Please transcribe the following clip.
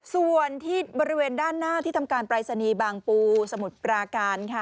ส่วนที่บริเวณด้านหน้าที่ทำการปรายศนีย์บางปูสมุทรปราการค่ะ